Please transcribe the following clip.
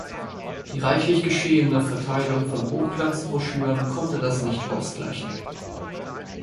Die reichlich geschehene Verteilung von Hochglanzbroschüren konnte das nicht ausgleichen.